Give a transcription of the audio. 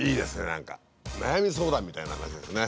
何か悩み相談みたいな話ですね。